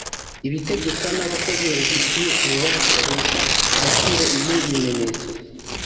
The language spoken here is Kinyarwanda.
Ibitegekwa n' abakozi babifitiye ububasha birusha agaciro ibindi bimenyetso